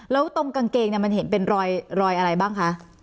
แล้วตรงกางเกงมันเห็นเป็นรอยอะไรบ้างคะ